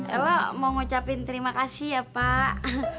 kalau mau ngucapin terima kasih ya pak